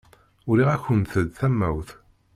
Uriɣ-akent-d tamawt.